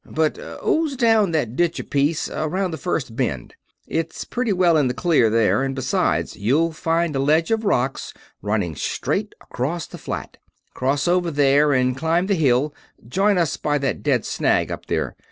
But ooze down that ditch a piece, around the first bend. It's pretty well in the clear there, and besides, you'll find a ledge of rocks running straight across the flat. Cross over there and climb the hill join us by that dead snag up there.